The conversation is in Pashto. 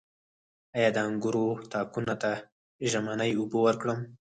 آیا د انګورو تاکونو ته ژمنۍ اوبه ورکړم؟